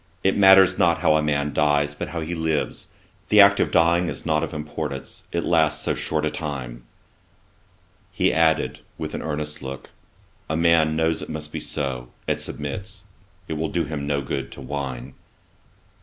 It matters not how a man dies, but how he lives. The act of dying is not of importance, it lasts so short a time.' He added, (with an earnest look,) 'A man knows it must be so, and submits. It will do him no good to whine.'